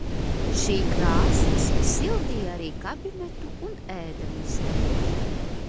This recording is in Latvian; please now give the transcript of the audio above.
"Šī krāsns sildīja arī "kabinetu" un ēdamistabu."